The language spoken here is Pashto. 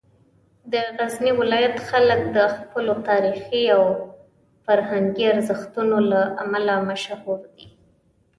د غزني ولایت خلک د خپلو تاریخي او فرهنګي ارزښتونو له امله مشهور دي.